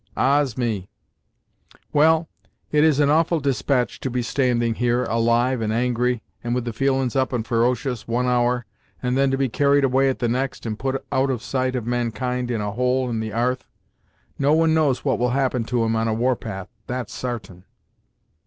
"Ahs! me; Well, it is an awful despatch to be standing here, alive and angry, and with the feelin's up and ferocious, one hour, and then to be carried away at the next, and put out of sight of mankind in a hole in the 'arth! No one knows what will happen to him on a warpath, that's sartain."